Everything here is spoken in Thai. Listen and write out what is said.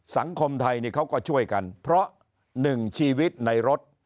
สังคมไทยนี่เขาก็ช่วยกันเพราะหนึ่งชีวิตในรถ